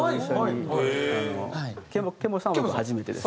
ケンモチさんは初めてです。